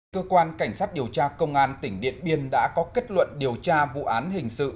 cơ quan cảnh sát điều tra công an tỉnh điện biên đã có kết luận điều tra vụ án hình sự